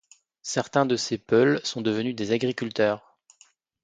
Certains de ces Peuls sont devenus des agriculteurs.